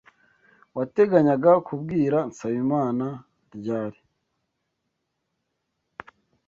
Wateganyaga kubwira Nsabimana ryari?